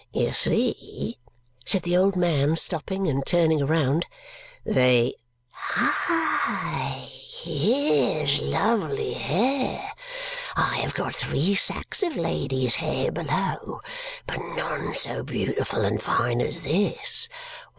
"You see," said the old man, stopping and turning round, "they Hi! Here's lovely hair! I have got three sacks of ladies' hair below, but none so beautiful and fine as this.